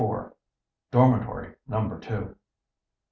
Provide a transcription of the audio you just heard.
DORMITORY NUMBER TWO.